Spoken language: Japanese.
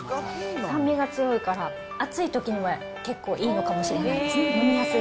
酸味が強いから、暑いときには結構いいのかもしれないですね。